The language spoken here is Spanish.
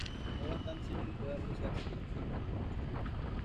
Es bastante simple y puede apreciarse que no fue invertido mucho en su grabación.